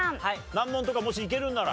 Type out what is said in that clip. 難問とかもしいけるなら。